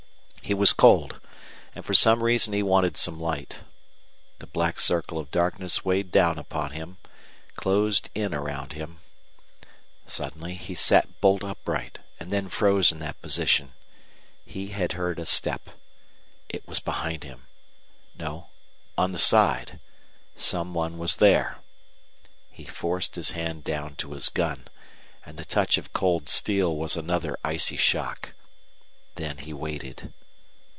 He was cold, and for some reason he wanted some light. The black circle of darkness weighed down upon him, closed in around him. Suddenly he sat bolt upright and then froze in that position. He had heard a step. It was behind him no on the side. Some one was there. He forced his hand down to his gun, and the touch of cold steel was another icy shock. Then he waited.